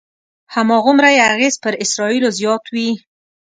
هماغومره یې اغېز پر اسرایلو زیات وي.